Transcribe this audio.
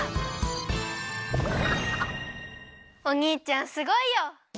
おにいちゃんすごいよ。